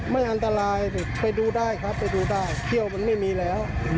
ไปดูได้เคี่ยวมันไม่มีแล้ว